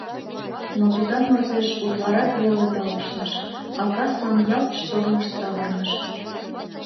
Но тӱтан мардеж утларак веле талышныш, а каслан ялт штормыш савырныш..